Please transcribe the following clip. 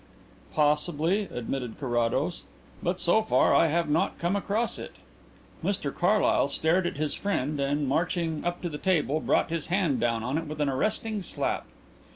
"Possibly," admitted Carrados. "But so far I have not come across it." Mr Carlyle stared at his friend, and marching up to the table brought his hand down on it with an arresting slap.